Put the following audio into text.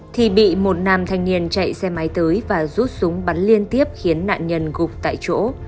thì bị một nam thanh niên chạy xe máy tới và rút súng bắn liên tiếp khiến nạn nhân gục tại chỗ